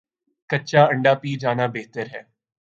کچا انڈہ پی جانا بہتر ہے